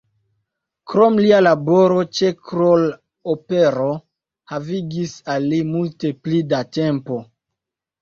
Krome lia laboro ĉe Kroll-opero havigis al li multe pli da tempo.